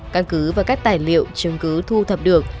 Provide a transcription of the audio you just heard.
căn cứ và các tài liệu chứng cứ thu thập được